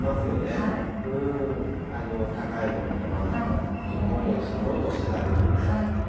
高いものと真ん中こんもりしたものとしだれるもの。